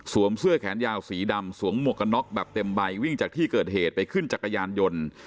เสื้อแขนยาวสีดำสวมหมวกกันน็อกแบบเต็มใบวิ่งจากที่เกิดเหตุไปขึ้นจักรยานยนต์